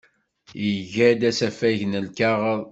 Iga-d asafag n lkaɣeḍ.